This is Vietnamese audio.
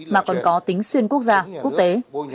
mà còn có tính xuyên quốc gia quốc tế